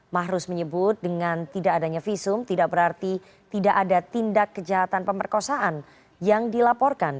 mahrus menyebut dengan tidak adanya visum tidak berarti tidak ada tindak kejahatan pemerkosaan yang dilaporkan